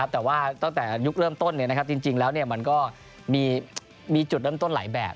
แต่ว่าตั้งแต่ยุคเริ่มต้นจริงแล้วมันก็มีจุดเริ่มต้นหลายแบบ